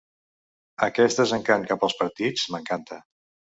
Aquest desencant cap als partits m'encanta.